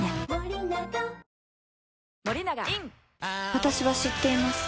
私は知っています